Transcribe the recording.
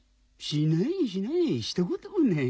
しないしないしたこともない。